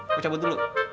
aku cabut dulu